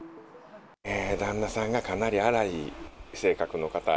旦那さんがかなり荒い性格の方。